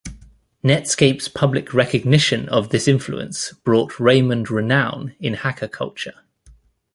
Netscape's public recognition of this influence brought Raymond renown in hacker culture.